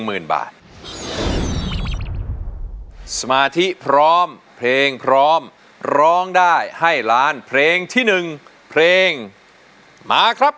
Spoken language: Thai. หมื่นบาทสมาธิพร้อมเพลงพร้อมร้องได้ให้ล้านเพลงที่๑เพลงมาครับ